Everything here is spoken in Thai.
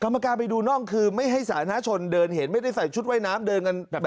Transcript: การไปดูน่องคือไม่ให้สาธารณชนเดินเห็นไม่ได้ใส่ชุดว่ายน้ำเดินกันแบบนี้